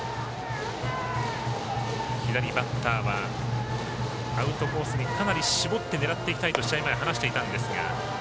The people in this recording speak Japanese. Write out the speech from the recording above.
左バッターはアウトコースにかなり絞って狙っていきたいと試合前、話していたんですが。